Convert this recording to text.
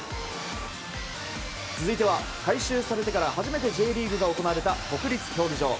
続いては改修されてから初めてＪリーグが行われた国立競技場。